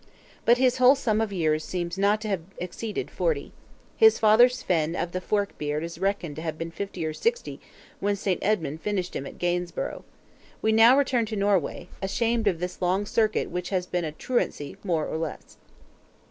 But his whole sum of years seems not to have exceeded forty. His father Svein of the Forkbeard is reckoned to have been fifty to sixty when St. Edmund finished him at Gainsborough. We now return to Norway, ashamed of this long circuit which has been a truancy more or less.